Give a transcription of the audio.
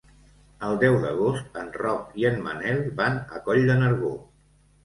El deu d'agost en Roc i en Manel van a Coll de Nargó.